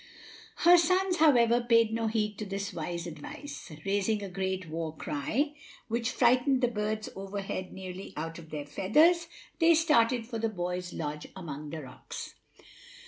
Her sons, however, paid no heed to this wise advice. Raising a great war cry, which frightened the birds overhead nearly out of their feathers, they started for the boy's lodge among the rocks.